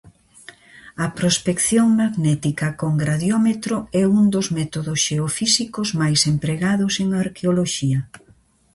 A prospección magnética con gradiómetro é un dos métodos xeofísicos máis empregados en arqueoloxía.